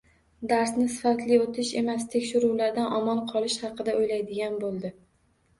Darsni sifatli o`tish emas, tekshiruvlardan omon qolish haqida o`ylaydigan bo`ldi